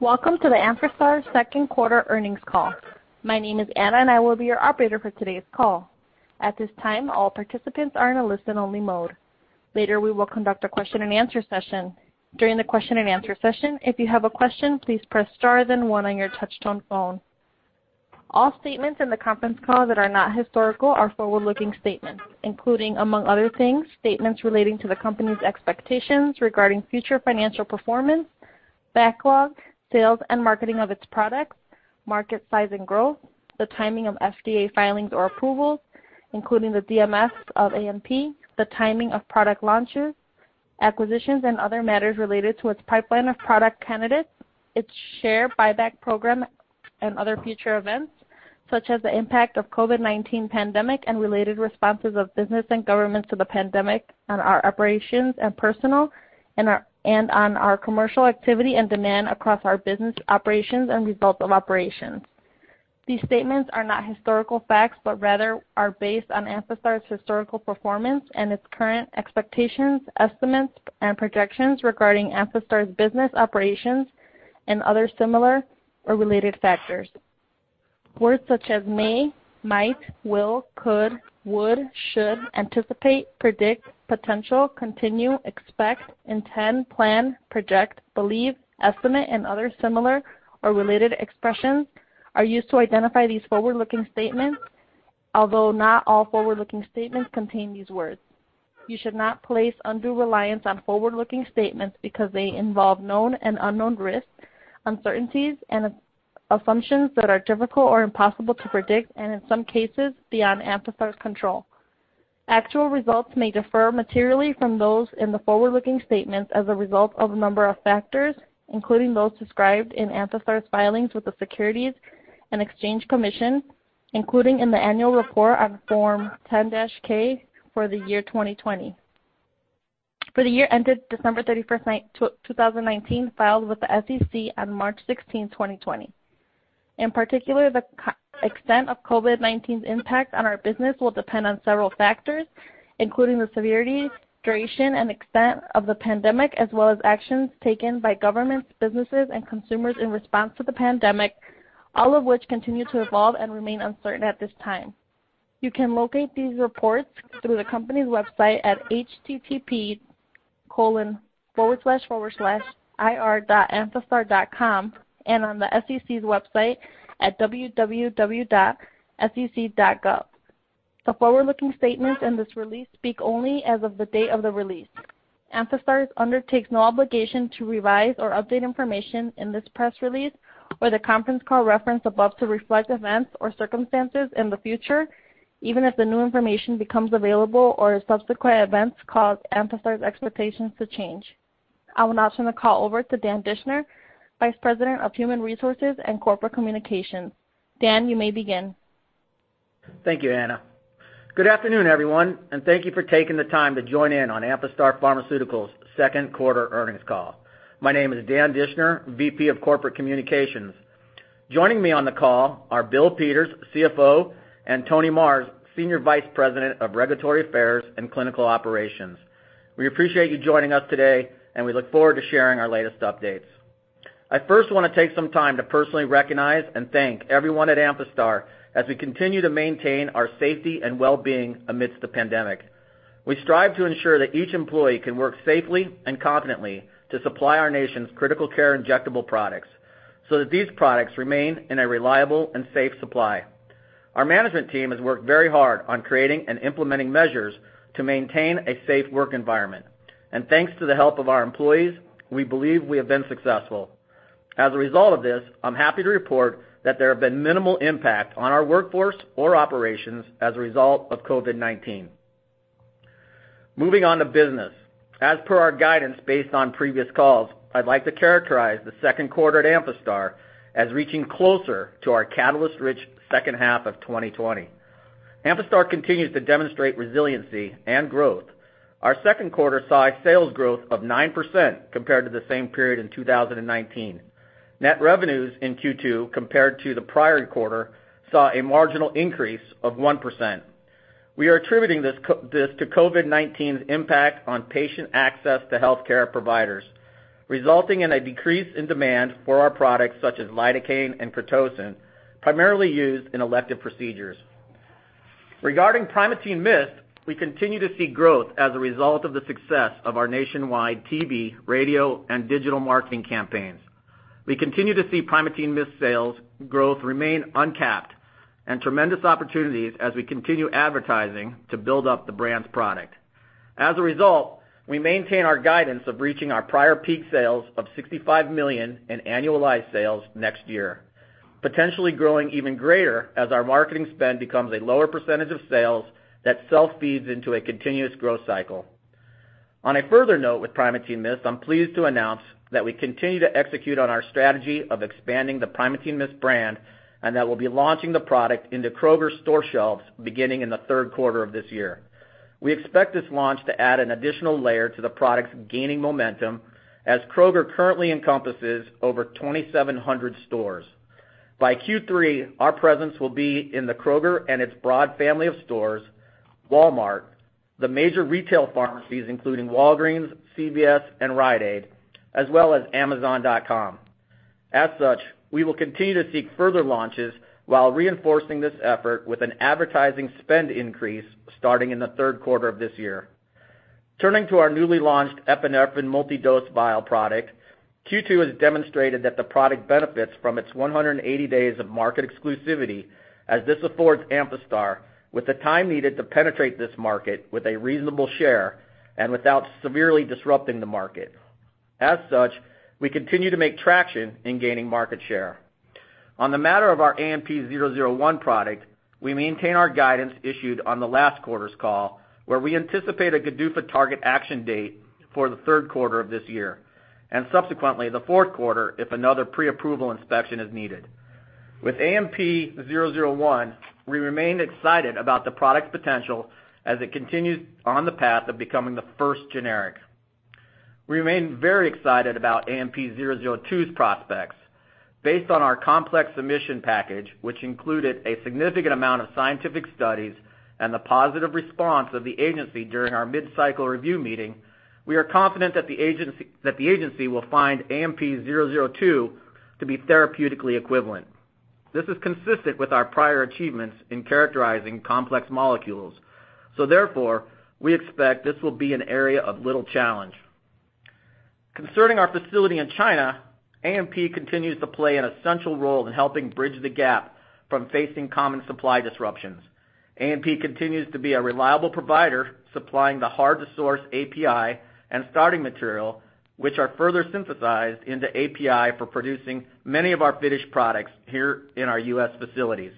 Welcome to the Amphastar second quarter earnings call. My name is Anna, and I will be your operator for today's call. At this time, all participants are in a listen-only mode. Later, we will conduct a question-and-answer session. During the question-and-answer session, if you have a question, please press star then one on your touch-tone phone. All statements in the conference call that are not historical are forward-looking statements, including, among other things, statements relating to the company's expectations regarding future financial performance, backlog, sales and marketing of its products, market size and growth, the timing of FDA filings or approvals, including the DMF of ANP, the timing of product launches, acquisitions, and other matters related to its pipeline of product candidates, its share buyback program, and other future events, such as the impact of the COVID-19 pandemic and related responses of business and government to the pandemic on our operations and personnel, and on our commercial activity and demand across our business operations and results of operations. These statements are not historical facts but rather are based on Amphastar's historical performance and its current expectations, estimates, and projections regarding Amphastar's business operations and other similar or related factors. Words such as may, might, will, could, would, should, anticipate, predict, potential, continue, expect, intend, plan, project, believe, estimate, and other similar or related expressions are used to identify these forward-looking statements, although not all forward-looking statements contain these words. You should not place undue reliance on forward-looking statements because they involve known and unknown risks, uncertainties, and assumptions that are difficult or impossible to predict, and in some cases, beyond Amphastar's control. Actual results may differ materially from those in the forward-looking statements as a result of a number of factors, including those described in Amphastar's filings with the Securities and Exchange Commission, including in the annual report on Form 10-K for the year 2020, for the year ended December 31, 2019, filed with the SEC on March 16, 2020. In particular, the extent of COVID-19's impact on our business will depend on several factors, including the severity, duration, and extent of the pandemic, as well as actions taken by governments, businesses, and consumers in response to the pandemic, all of which continue to evolve and remain uncertain at this time. You can locate these reports through the company's website at https://ir.amphastar.com and on the SEC's website at www.sec.gov. The forward-looking statements in this release speak only as of the date of the release. Amphastar undertakes no obligation to revise or update information in this press release or the conference call reference above to reflect events or circumstances in the future, even if the new information becomes available or subsequent events cause Amphastar's expectations to change. I will now turn the call over to Dan Dischner, Vice President of Human Resources and Corporate Communications. Dan, you may begin. Thank you, Anna. Good afternoon, everyone, and thank you for taking the time to join in on Amphastar Pharmaceuticals' second quarter earnings call. My name is Dan Dischner, VP of Corporate Communications. Joining me on the call are Bill Peters, CFO, and Tony Marrs, Senior Vice President of Regulatory Affairs and Clinical Operations. We appreciate you joining us today, and we look forward to sharing our latest updates. I first want to take some time to personally recognize and thank everyone at Amphastar as we continue to maintain our safety and well-being amidst the pandemic. We strive to ensure that each employee can work safely and confidently to supply our nation's critical care injectable products so that these products remain in a reliable and safe supply. Our management team has worked very hard on creating and implementing measures to maintain a safe work environment, and thanks to the help of our employees, we believe we have been successful. As a result of this, I'm happy to report that there have been minimal impacts on our workforce or operations as a result of COVID-19. Moving on to business. As per our guidance based on previous calls, I'd like to characterize the second quarter at Amphastar as reaching closer to our catalyst-rich second half of 2020. Amphastar continues to demonstrate resiliency and growth. Our second quarter saw a sales growth of 9% compared to the same period in 2019. Net revenues in Q2 compared to the prior quarter saw a marginal increase of 1%. We are attributing this to COVID-19's impact on patient access to healthcare providers, resulting in a decrease in demand for our products such as lidocaine and Pitocin, primarily used in elective procedures. Regarding Primatene Mist, we continue to see growth as a result of the success of our nationwide TV, radio, and digital marketing campaigns. We continue to see Primatene Mist sales growth remain uncapped and tremendous opportunities as we continue advertising to build up the brand's product. As a result, we maintain our guidance of reaching our prior peak sales of $65 million in annualized sales next year, potentially growing even greater as our marketing spend becomes a lower percentage of sales that self-feeds into a continuous growth cycle. On a further note with Primatene Mist, I'm pleased to announce that we continue to execute on our strategy of expanding the Primatene Mist brand and that we'll be launching the product into Kroger's store shelves beginning in the third quarter of this year. We expect this launch to add an additional layer to the product's gaining momentum as Kroger currently encompasses over 2,700 stores. By Q3, our presence will be in the Kroger and its broad family of stores, Walmart, the major retail pharmacies including Walgreens, CVS, and Rite Aid, as well as Amazon.com. As such, we will continue to seek further launches while reinforcing this effort with an advertising spend increase starting in the third quarter of this year. Turning to our newly launched epinephrine multi-dose vial product, Q2 has demonstrated that the product benefits from its 180 days of market exclusivity as this affords Amphastar with the time needed to penetrate this market with a reasonable share and without severely disrupting the market. As such, we continue to make traction in gaining market share. On the matter of our AMP-001 product, we maintain our guidance issued on the last quarter's call where we anticipate a GDUFA target action date for the third quarter of this year and subsequently the fourth quarter if another pre-approval inspection is needed. With AMP-001, we remain excited about the product's potential as it continues on the path of becoming the first generic. We remain very excited about AMP-002's prospects. Based on our complex submission package, which included a significant amount of scientific studies and the positive response of the agency during our mid-cycle review meeting, we are confident that the agency will find ANP 002 to be therapeutically equivalent. This is consistent with our prior achievements in characterizing complex molecules. So therefore, we expect this will be an area of little challenge. Concerning our facility in China, ANP continues to play an essential role in helping bridge the gap from facing common supply disruptions. ANP continues to be a reliable provider supplying the hard-to-source API and starting material, which are further synthesized into API for producing many of our finished products here in our U.S. facilities.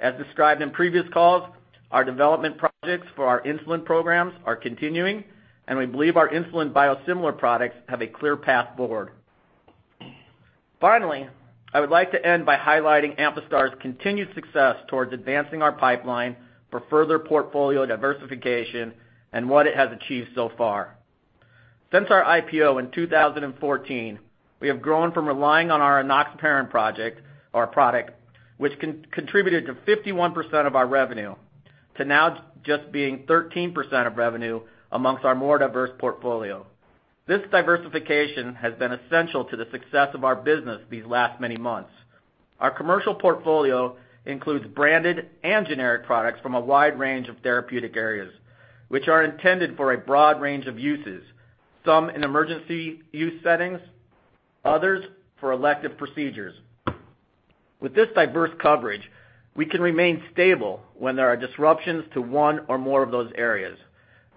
As described in previous calls, our development projects for our insulin programs are continuing, and we believe our insulin biosimilar products have a clear path forward. Finally, I would like to end by highlighting Amphastar's continued success towards advancing our pipeline for further portfolio diversification and what it has achieved so far. Since our IPO in 2014, we have grown from relying on our Enoxaparin project, our product, which contributed to 51% of our revenue, to now just being 13% of revenue among our more diverse portfolio. This diversification has been essential to the success of our business these last many months. Our commercial portfolio includes branded and generic products from a wide range of therapeutic areas, which are intended for a broad range of uses, some in emergency use settings, others for elective procedures. With this diverse coverage, we can remain stable when there are disruptions to one or more of those areas.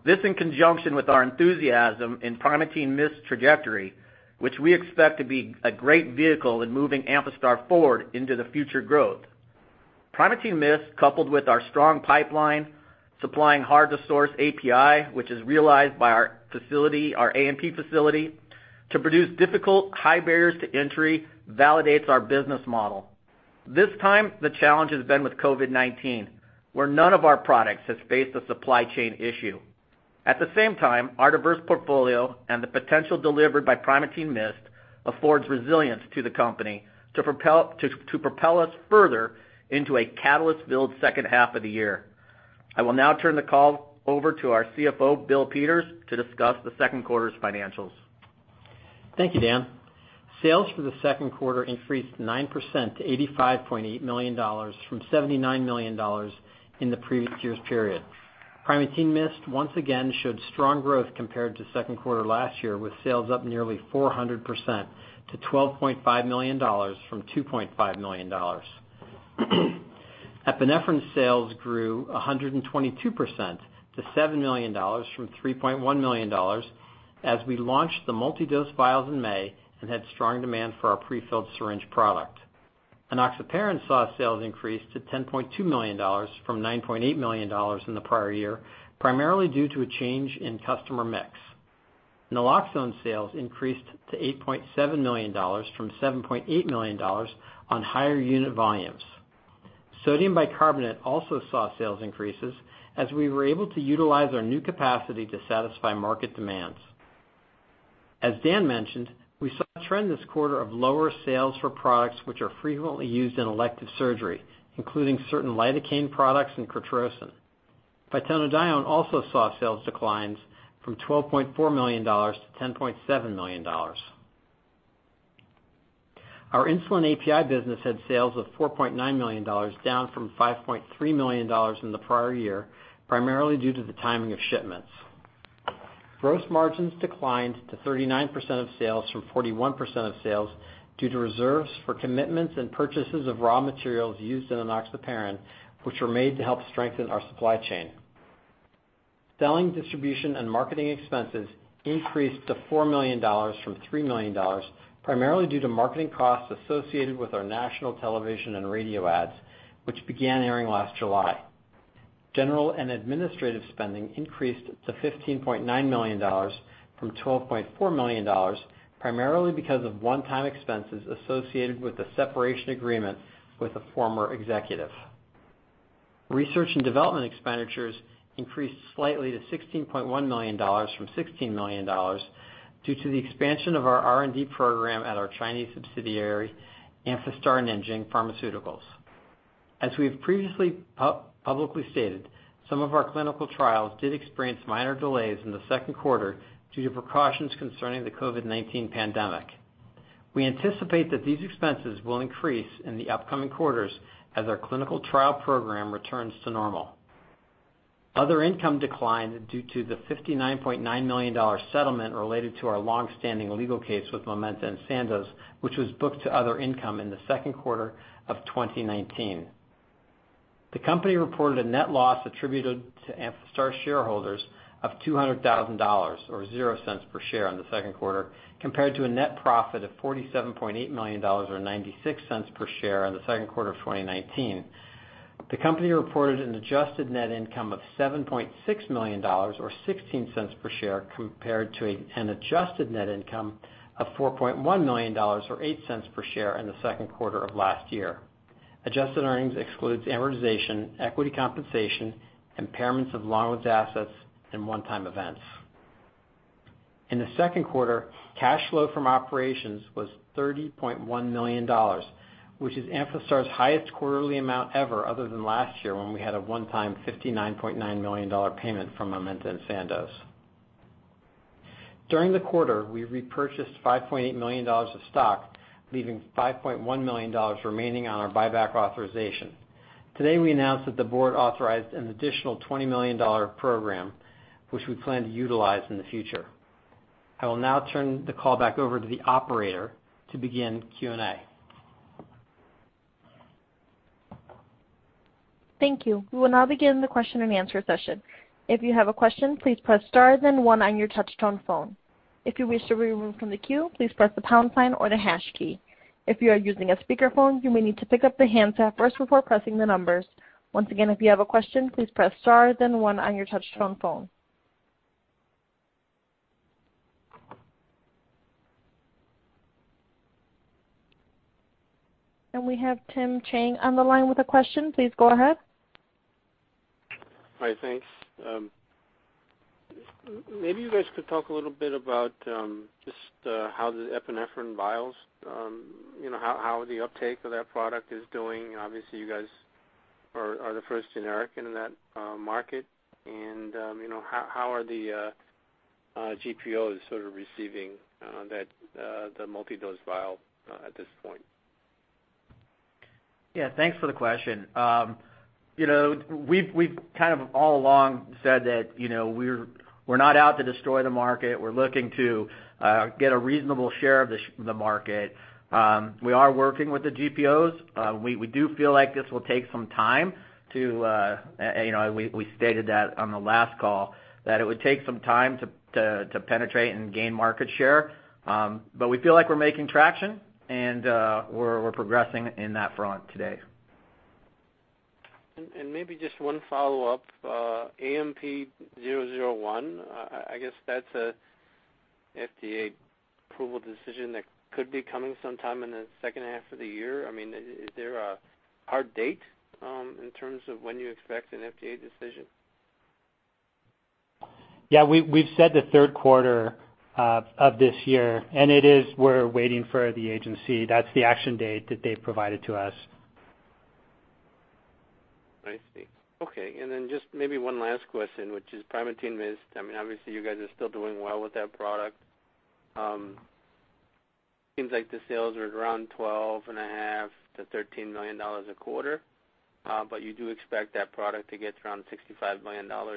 This is in conjunction with our enthusiasm in Primatene Mist's trajectory, which we expect to be a great vehicle in moving Amphastar forward into the future growth. Primatene Mist, coupled with our strong pipeline supplying hard-to-source API, which is realized by our facility, our ANP facility, to produce difficult high barriers to entry, validates our business model. This time, the challenge has been with COVID-19, where none of our products has faced a supply chain issue. At the same time, our diverse portfolio and the potential delivered by Primatene Mist affords resilience to the company to propel us further into a catalyst-filled second half of the year. I will now turn the call over to our CFO, Bill Peters, to discuss the second quarter's financials. Thank you, Dan. Sales for the second quarter increased 9% to $85.8 million from $79 million in the previous year's period. Primatene Mist once again showed strong growth compared to second quarter last year, with sales up nearly 400% to $12.5 million from $2.5 million. Epinephrine sales grew 122% to $7 million from $3.1 million as we launched the multi-dose vials in May and had strong demand for our prefilled syringe product. Enoxaparin saw sales increase to $10.2 million from $9.8 million in the prior year, primarily due to a change in customer mix. Naloxone sales increased to $8.7 million from $7.8 million on higher unit volumes. Sodium bicarbonate also saw sales increases as we were able to utilize our new capacity to satisfy market demands. As Dan mentioned, we saw a trend this quarter of lower sales for products which are frequently used in elective surgery, including certain lidocaine products and Ketorolac. Phytonadione also saw sales declines from $12.4 million to $10.7 million. Our insulin API business had sales of $4.9 million, down from $5.3 million in the prior year, primarily due to the timing of shipments. Gross margins declined to 39% of sales from 41% of sales due to reserves for commitments and purchases of raw materials used in Enoxaparin, which were made to help strengthen our supply chain. Selling, distribution, and marketing expenses increased to $4 million from $3 million, primarily due to marketing costs associated with our national television and radio ads, which began airing last July. General and administrative spending increased to $15.9 million from $12.4 million, primarily because of one-time expenses associated with the separation agreement with a former executive. Research and development expenditures increased slightly to $16.1 million from $16 million due to the expansion of our R&D program at our Chinese subsidiary, Amphastar Nanjing Pharmaceuticals. As we have previously publicly stated, some of our clinical trials did experience minor delays in the second quarter due to precautions concerning the COVID-19 pandemic. We anticipate that these expenses will increase in the upcoming quarters as our clinical trial program returns to normal. Other income declined due to the $59.9 million settlement related to our long-standing legal case with Momenta & Sandoz, which was booked to other income in the second quarter of 2019. The company reported a net loss attributed to Amphastar shareholders of $200,000 or $0.10 per share in the second quarter, compared to a net profit of $47.8 million or $0.96 per share in the second quarter of 2019. The company reported an adjusted net income of $7.6 million or $0.16 per share, compared to an adjusted net income of $4.1 million or $0.08 per share in the second quarter of last year. Adjusted earnings excludes amortization, equity compensation, impairments of long-lived assets, and one-time events. In the second quarter, cash flow from operations was $30.1 million, which is Amphastar's highest quarterly amount ever other than last year when we had a one-time $59.9 million payment from Momenta & Sandoz. During the quarter, we repurchased $5.8 million of stock, leaving $5.1 million remaining on our buyback authorization. Today, we announced that the board authorized an additional $20 million program, which we plan to utilize in the future. I will now turn the call back over to the operator to begin Q&A. Thank you. We will now begin the question and answer session. If you have a question, please press star then one on your touch-tone phone. If you wish to be removed from the queue, please press the pound sign or the hash key. If you are using a speakerphone, you may need to pick up the handset first before pressing the numbers. Once again, if you have a question, please press star then one on your touch-tone phone, and we have Tim Chiang on the line with a question. Please go ahead. All right. Thanks. Maybe you guys could talk a little bit about just how the epinephrine vials, how the uptake of that product is doing. Obviously, you guys are the first generic in that market. And how are the GPOs sort of receiving the multi-dose vial at this point? Yeah. Thanks for the question. We've kind of all along said that we're not out to destroy the market. We're looking to get a reasonable share of the market. We are working with the GPOs. We do feel like this will take some time to, we stated that on the last call, that it would take some time to penetrate and gain market share. But we feel like we're making traction, and we're progressing in that front today. And maybe just one follow-up. AMP-001, I guess that's an FDA approval decision that could be coming sometime in the second half of the year. I mean, is there a hard date in terms of when you expect an FDA decision? Yeah. We've said the third quarter of this year, and it is, we're waiting for the agency. That's the action date that they provided to us. I see. Okay. And then just maybe one last question, which is Primatene Mist. I mean, obviously, you guys are still doing well with that product. Seems like the sales were around $12.5-$13 million a quarter, but you do expect that product to get around $65 million on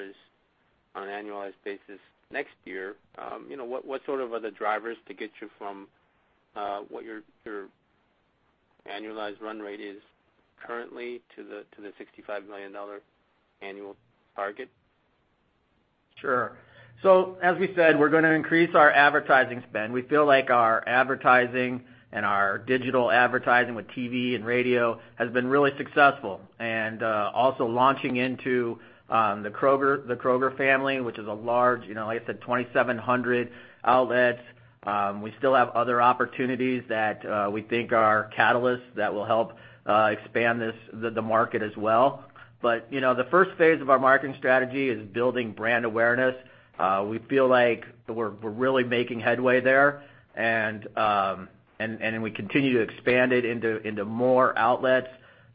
an annualized basis next year. What sort of are the drivers to get you from what your annualized run rate is currently to the $65 million annual target? Sure. So as we said, we're going to increase our advertising spend. We feel like our advertising and our digital advertising with TV and radio has been really successful. And also launching into the Kroger family, which is a large, like I said, 2,700 outlets. We still have other opportunities that we think are catalysts that will help expand the market as well. But the first phase of our marketing strategy is building brand awareness. We feel like we're really making headway there, and we continue to expand it into more outlets.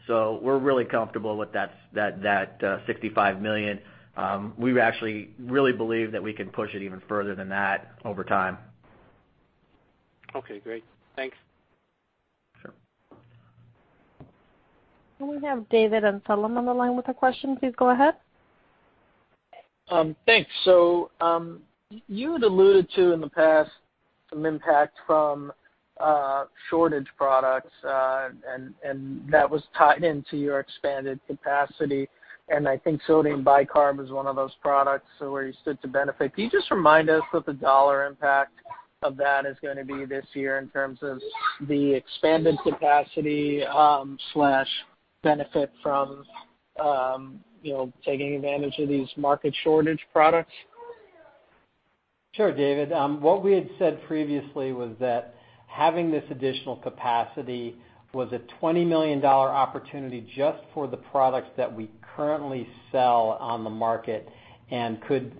So we're really comfortable with that $65 million. We actually really believe that we can push it even further than that over time. Okay. Great. Thanks. Sure. We have David Amsellem on the line with a question. Please go ahead. Thanks. So you had alluded to in the past some impact from shortage products, and that was tied into your expanded capacity. And I think sodium bicarb is one of those products where you stood to benefit. Can you just remind us what the dollar impact of that is going to be this year in terms of the expanded capacity/benefit from taking advantage of these market shortage products? Sure, David. What we had said previously was that having this additional capacity was a $20 million opportunity just for the products that we currently sell on the market and could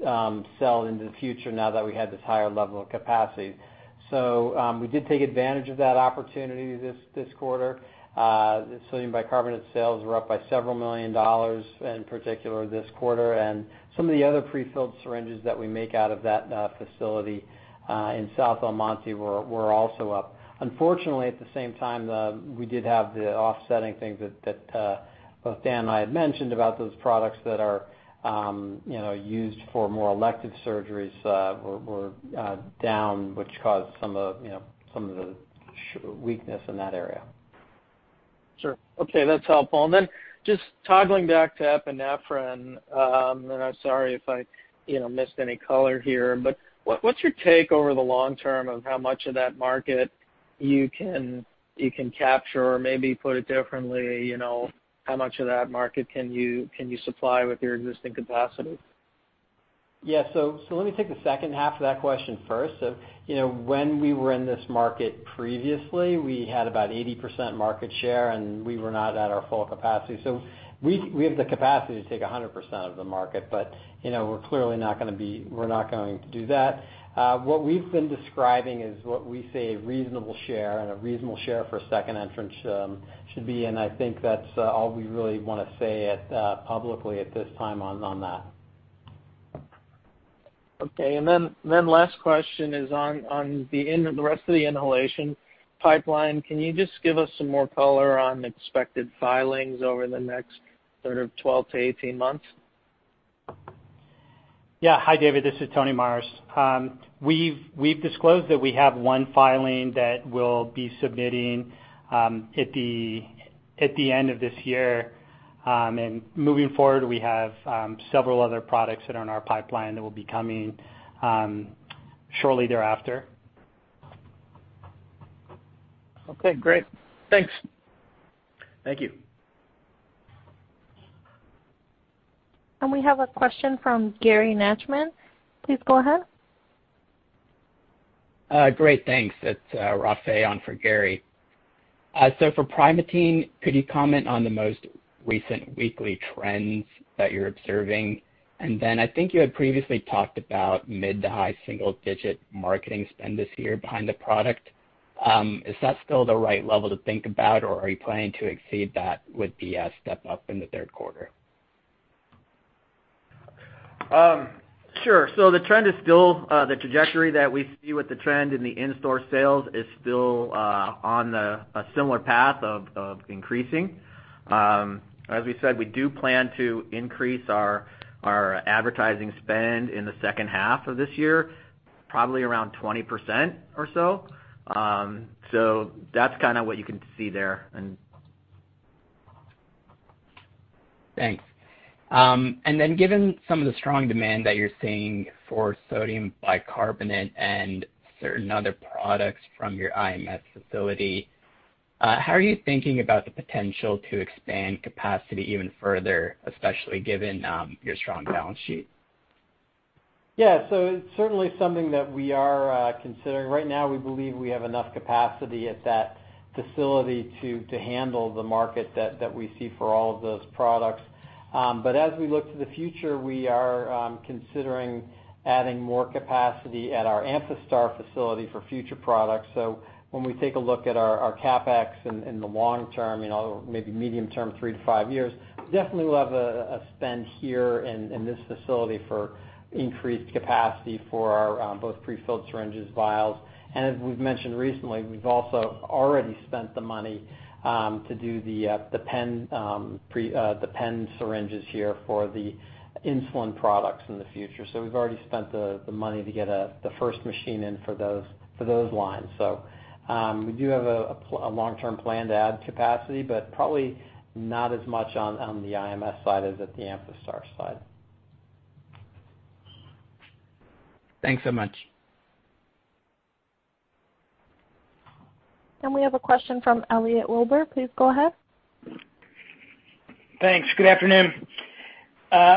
sell into the future now that we had this higher level of capacity. So we did take advantage of that opportunity this quarter. Sodium Bicarbonate sales were up by several million dollars in particular this quarter. And some of the other prefilled syringes that we make out of that facility in South El Monte were also up. Unfortunately, at the same time, we did have the offsetting thing that both Dan and I had mentioned about those products that are used for more elective surgeries were down, which caused some of the weakness in that area. Sure. Okay. That's helpful. And then just toggling back to epinephrine, and I'm sorry if I missed any color here, but what's your take over the long term of how much of that market you can capture or maybe put it differently? How much of that market can you supply with your existing capacity? Yeah, so let me take the second half of that question first, so when we were in this market previously, we had about 80% market share, and we were not at our full capacity, so we have the capacity to take 100% of the market, but we're clearly not going to be, we're not going to do that. What we've been describing is what we say a reasonable share, and a reasonable share for a second entrance should be, and I think that's all we really want to say publicly at this time on that. Okay. And then last question is on the rest of the inhalation pipeline. Can you just give us some more color on expected filings over the next sort of 12 to 18 months? Yeah. Hi, David. This is Tony Marrs. We've disclosed that we have one filing that we'll be submitting at the end of this year, and moving forward, we have several other products that are in our pipeline that will be coming shortly thereafter. Okay. Great. Thanks. Thank you. We have a question from Gary Nachman. Please go ahead. Great. Thanks. That's Rafay for Gary. So for Primatene, could you comment on the most recent weekly trends that you're observing? And then I think you had previously talked about mid to high single-digit marketing spend this year behind the product. Is that still the right level to think about, or are you planning to exceed that with the step up in the third quarter? Sure. So the trend is still the trajectory that we see with the trend in the in-store sales is still on a similar path of increasing. As we said, we do plan to increase our advertising spend in the second half of this year, probably around 20% or so. So that's kind of what you can see there. Thanks. And then given some of the strong demand that you're seeing for sodium bicarbonate and certain other products from your IMS facility, how are you thinking about the potential to expand capacity even further, especially given your strong balance sheet? Yeah. So it's certainly something that we are considering. Right now, we believe we have enough capacity at that facility to handle the market that we see for all of those products. But as we look to the future, we are considering adding more capacity at our Amphastar facility for future products. So when we take a look at our CapEx in the long term, maybe medium term, three to five years, definitely we'll have a spend here in this facility for increased capacity for both prefilled syringes, vials. And as we've mentioned recently, we've also already spent the money to do the pen syringes here for the insulin products in the future. So we've already spent the money to get the first machine in for those lines. So we do have a long-term plan to add capacity, but probably not as much on the IMS side as at the Amphastar side. Thanks so much. We have a question from Elliot Wilbur. Please go ahead. Thanks. Good afternoon.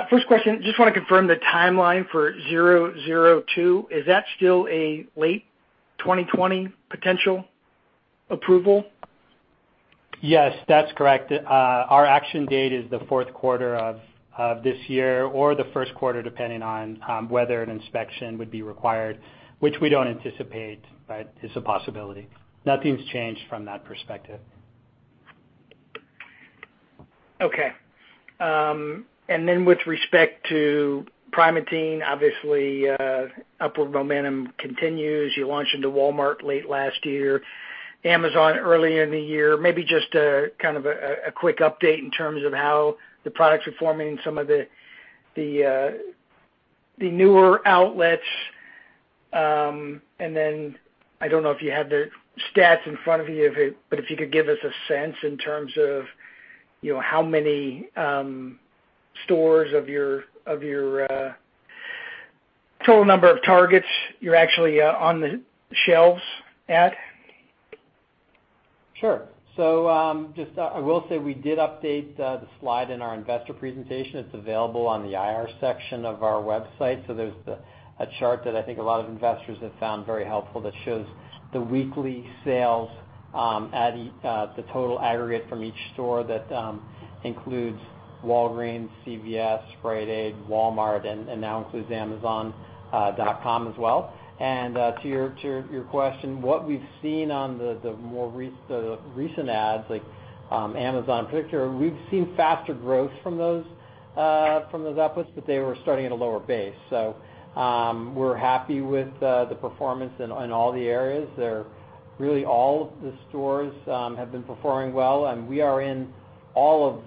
First question, just want to confirm the timeline for 002. Is that still a late 2020 potential approval? Yes. That's correct. Our action date is the fourth quarter of this year or the first quarter, depending on whether an inspection would be required, which we don't anticipate, but it's a possibility. Nothing's changed from that perspective. Okay. And then with respect to Primatene, obviously, upward momentum continues. You launched into Walmart late last year, Amazon earlier in the year. Maybe just kind of a quick update in terms of how the products are performing in some of the newer outlets. And then I don't know if you have the stats in front of you, but if you could give us a sense in terms of how many stores of your total number of targets you're actually on the shelves at. Sure, so I will say we did update the slide in our investor presentation. It's available on the IR section of our website, so there's a chart that I think a lot of investors have found very helpful that shows the weekly sales, the total aggregate from each store that includes Walgreens, CVS, Rite Aid, Walmart, and now includes Amazon.com as well. And to your question, what we've seen on the more recent adds, like Amazon in particular, we've seen faster growth from those outlets, but they were starting at a lower base. So we're happy with the performance in all the areas. Really, all of the stores have been performing well, and we are in all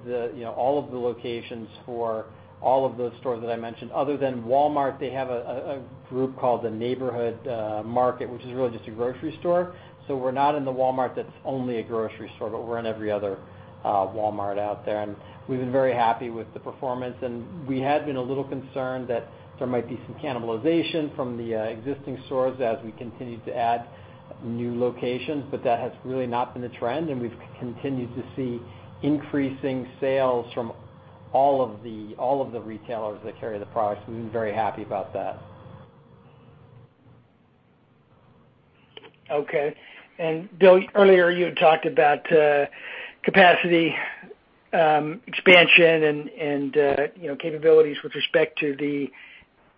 of the locations for all of those stores that I mentioned. Other than Walmart, they have a group called the Neighborhood Market, which is really just a grocery store. So we're not in the Walmart that's only a grocery store, but we're in every other Walmart out there. And we've been very happy with the performance. And we had been a little concerned that there might be some cannibalization from the existing stores as we continue to add new locations, but that has really not been the trend. And we've continued to see increasing sales from all of the retailers that carry the products. We've been very happy about that. Okay. And Bill, earlier you had talked about capacity expansion and capabilities with respect to the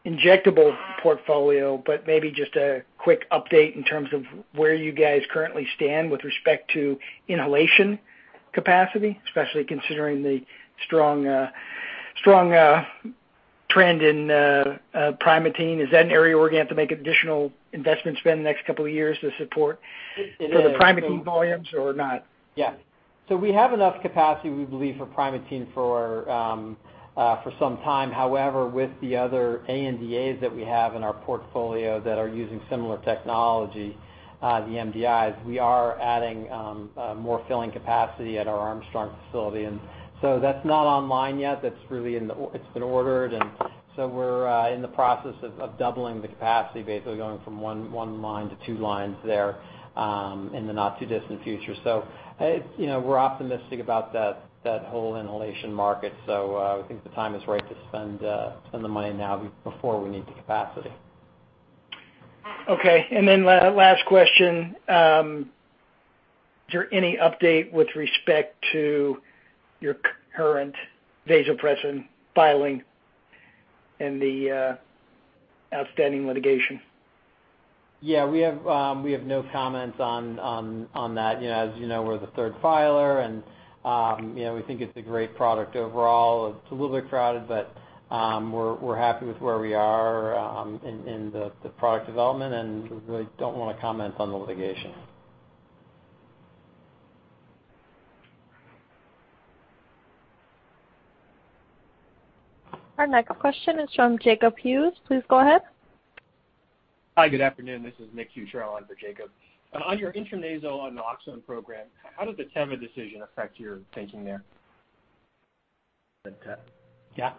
injectable portfolio, but maybe just a quick update in terms of where you guys currently stand with respect to inhalation capacity, especially considering the strong trend in Primatene. Is that an area where we're going to have to make additional investment spend in the next couple of years to support for the Primatene volumes or not? Yeah. So we have enough capacity, we believe, for Primatene for some time. However, with the other ANDAs that we have in our portfolio that are using similar technology, the MDIs, we are adding more filling capacity at our Armstrong facility. And so that's not online yet. It's been ordered. And so we're in the process of doubling the capacity, basically going from one line to two lines there in the not-too-distant future. So we're optimistic about that whole inhalation market. So I think the time is right to spend the money now before we need the capacity. Okay. And then last question. Is there any update with respect to your current Vasopressin filing and the outstanding litigation? Yeah. We have no comments on that. As you know, we're the third filer, and we think it's a great product overall. It's a little bit crowded, but we're happy with where we are in the product development, and we really don't want to comment on the litigation. Our next question is from Jacob Hughes. Please go ahead. Hi, good afternoon. This is Nick Hughes, calling for Jacob. On your intranasal naloxone program, how did the Teva decision affect your thinking there? Yeah.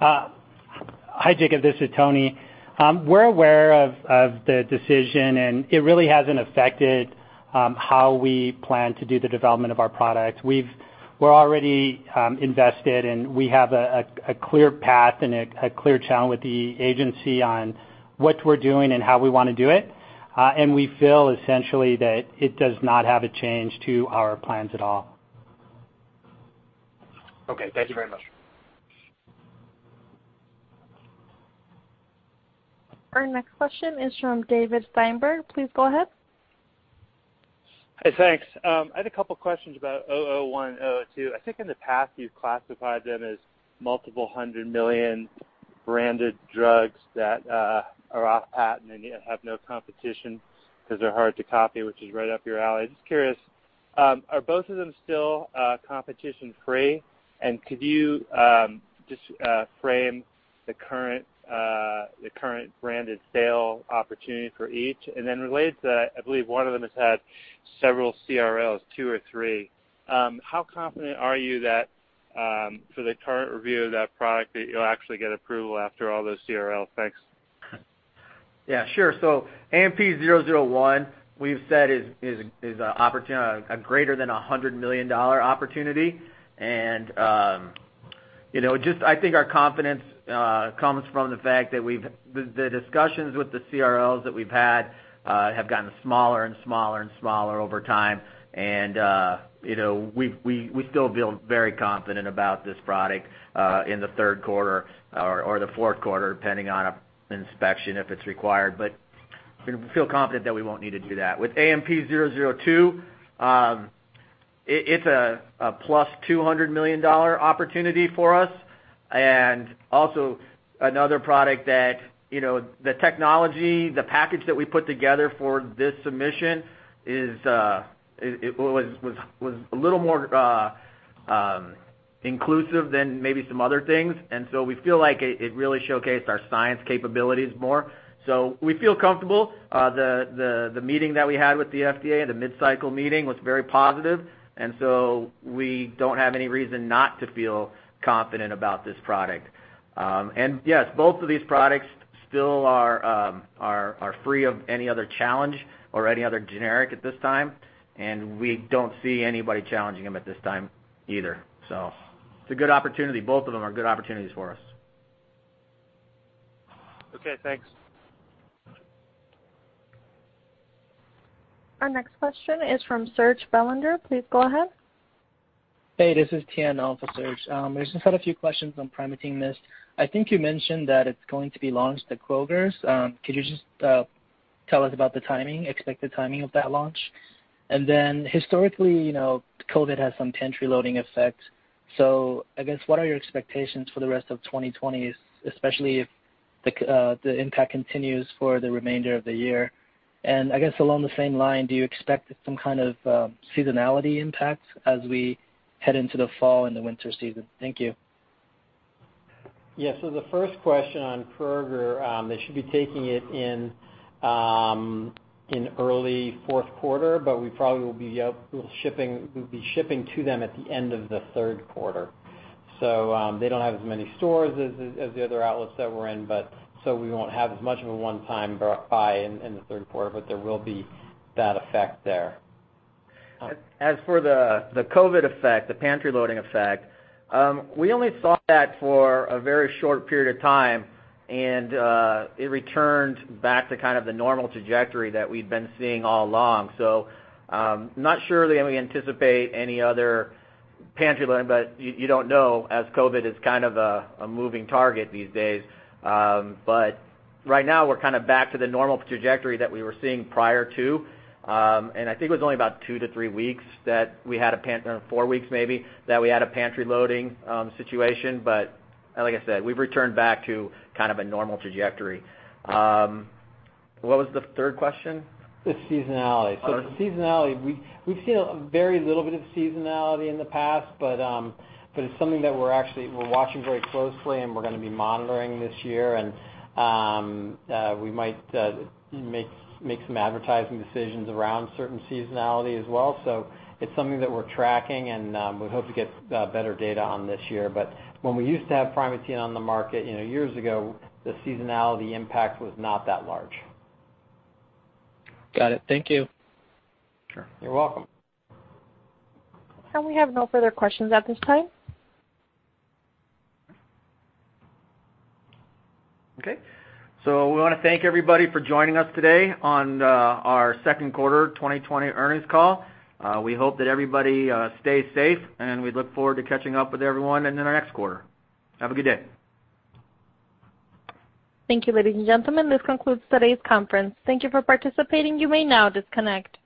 Hi, Jacob. This is Tony. We're aware of the decision, and it really hasn't affected how we plan to do the development of our products. We're already invested, and we have a clear path and a clear challenge with the agency on what we're doing and how we want to do it. And we feel essentially that it does not have a change to our plans at all. Okay. Thank you very much. Our next question is from David Steinberg. Please go ahead. Hi, thanks. I had a couple of questions about 001, 002. I think in the past you've classified them as multiple hundred million branded drugs that are off patent and have no competition because they're hard to copy, which is right up your alley. Just curious, are both of them still competition-free? And could you just frame the current branded sale opportunity for each? And then related to that, I believe one of them has had several CRLs, two or three. How confident are you that for the current review of that product that you'll actually get approval after all those CRLs? Thanks. Yeah. Sure. So, AMP 001, we've said is a greater than $100 million opportunity. And just, I think, our confidence comes from the fact that the discussions with the CRLs that we've had have gotten smaller and smaller and smaller over time. And we still feel very confident about this product in the third quarter or the fourth quarter, depending on inspection if it's required. But we feel confident that we won't need to do that. With AMP 002, it's a plus $200 million opportunity for us. And also another product that the technology, the package that we put together for this submission was a little more inclusive than maybe some other things. And so we feel like it really showcased our science capabilities more. So we feel comfortable. The meeting that we had with the FDA and the mid-cycle meeting was very positive. And so we don't have any reason not to feel confident about this product. And yes, both of these products still are free of any other challenge or any other generic at this time. And we don't see anybody challenging them at this time either. So it's a good opportunity. Both of them are good opportunities for us. Okay. Thanks. Our next question is from Serge Belanger. Please go ahead. Hey, this is Tianna for Serge. I just had a few questions on Primatene Mist. I think you mentioned that it's going to be launched at Krogers. Could you just tell us about the expected timing of that launch? And then historically, COVID has some pantry loading effect. So I guess what are your expectations for the rest of 2020, especially if the impact continues for the remainder of the year? And I guess along the same line, do you expect some kind of seasonality impact as we head into the fall and the winter season? Thank you. Yeah. So the first question on Kroger, they should be taking it in early fourth quarter, but we probably will be shipping to them at the end of the third quarter. So they don't have as many stores as the other outlets that we're in, so we won't have as much of a one-time buy in the third quarter, but there will be that effect there. As for the COVID effect, the pantry loading effect, we only saw that for a very short period of time, and it returned back to kind of the normal trajectory that we'd been seeing all along. So not sure that we anticipate any other pantry loading, but you don't know as COVID is kind of a moving target these days. But right now, we're kind of back to the normal trajectory that we were seeing prior to. And I think it was only about two to three weeks that we had a pantry loading, four weeks maybe that we had a pantry loading situation. But like I said, we've returned back to kind of a normal trajectory. What was the third question? The seasonality. So the seasonality, we've seen a very little bit of seasonality in the past, but it's something that we're watching very closely, and we're going to be monitoring this year. And we might make some advertising decisions around certain seasonality as well. So it's something that we're tracking, and we hope to get better data on this year. But when we used to have Primatene on the market years ago, the seasonality impact was not that large. Got it. Thank you. You're welcome. We have no further questions at this time. Okay. So we want to thank everybody for joining us today on our second quarter 2020 earnings call. We hope that everybody stays safe, and we look forward to catching up with everyone in our next quarter. Have a good day. Thank you, ladies and gentlemen. This concludes today's conference. Thank you for participating. You may now disconnect.